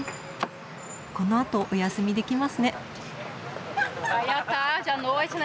このあとお休みできますね。